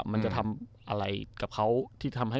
มันจะทำอะไรกับเขาที่ทำให้